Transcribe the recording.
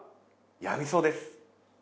「やみそうです」